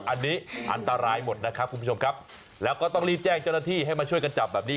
อันนี้อันตรายหมดนะครับคุณผู้ชมครับแล้วก็ต้องรีบแจ้งเจ้าหน้าที่ให้มาช่วยกันจับแบบนี้